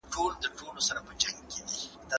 شرعیاتو پوهنځۍ بې له ځنډه نه پیلیږي.